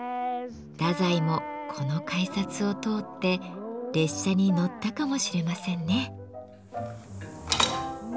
太宰もこの改札を通って列車に乗ったかもしれませんね。